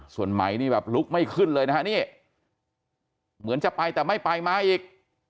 ส่วนไหมนี่แบบลุกไม่ขึ้นเลยนะฮะนี่เหมือนจะไปแต่ไม่ไปมาอีก